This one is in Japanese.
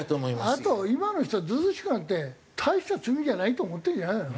あと今の人はずうずうしくなって大した罪じゃないと思ってんじゃないの？